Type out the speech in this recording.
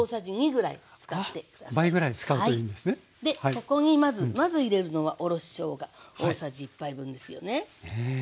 ここにまず入れるのはおろししょうが大さじ１杯分ですよね。